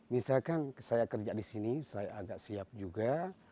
misalkan saya kerja di sini saya agak siap juga